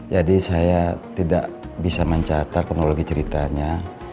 jadi saya tidak bisa mencatat konologi ceritanya